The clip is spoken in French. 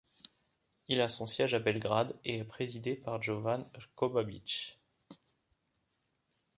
Il a son siège à Belgrade et est présidé par Jovan Krkobabić.